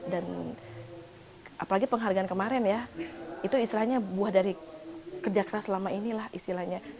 dan apalagi penghargaan kemarin ya itu istilahnya buah dari kerja keras selama inilah istilahnya